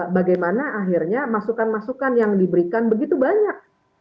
bagaimana akhirnya masukan masukan yang diberikan begitu banyak